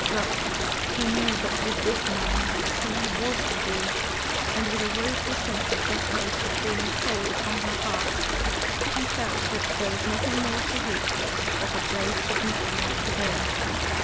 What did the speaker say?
Well she knew that with this man to see was to do, and with a woeful sense of desolation falling cold upon her heart, she felt that there was nothing more to hope for but a brave submission like his own.